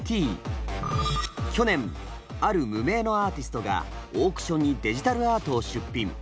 去年ある無名のアーティストがオークションにデジタルアートを出品。